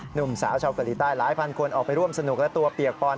หนุ่มสาวชาวเกาหลีใต้หลายพันคนออกไปร่วมสนุกและตัวเปียกปอน